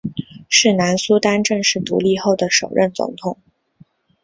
是南苏丹正式独立后的首任总统。